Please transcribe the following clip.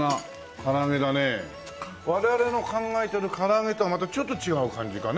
我々の考えてる唐揚げとはまたちょっと違う感じかね？